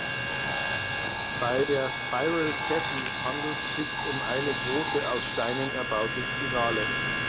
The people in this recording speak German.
Bei der "Spiral Jetty" handelt sich um eine große, aus Steinen erbaute Spirale.